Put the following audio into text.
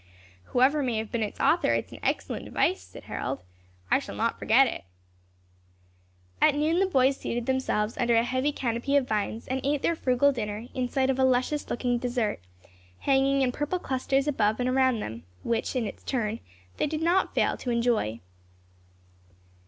"Whoever may have been its author, it is an excellent device," said Harold. "I shall not forget it." At noon the boys seated themselves under a heavy canopy of vines, and ate their frugal dinner in sight of a luscious looking dessert, hanging in purple clusters above and around them, which in its turn they did not fail to enjoy.